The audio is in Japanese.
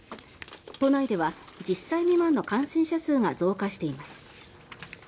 都内では１０歳未満の感染者数が増加しています。